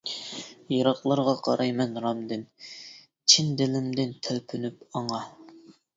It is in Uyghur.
يىراقلارغا قارايمەن رامدىن، چىن دىلىمدىن تەلپۈنۈپ ئاڭا.